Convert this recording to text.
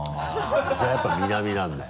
じゃあやっぱ南なんだよ。